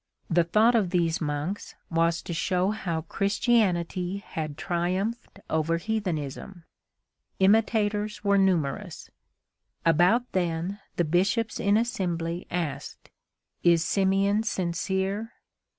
The thought of these monks was to show how Christianity had triumphed over heathenism. Imitators were numerous. About then the Bishops in assembly asked, "Is Simeon sincere?"